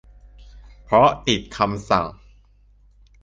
เพราะติดคำสั่ง